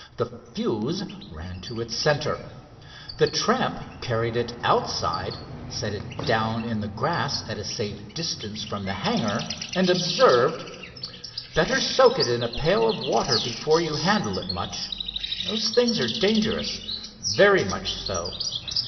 The fuse ran to its center. The tramp carried it outside, set it down in the grass at a safe distance from the hangar, and observed: "Better soak it in a pail of water before you handle it much. Those things are dangerous; very much so!